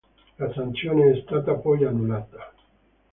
La sanzione è stata poi annullata.